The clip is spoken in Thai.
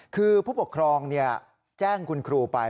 คือผู้ปกครองแจ้งคุณครูไป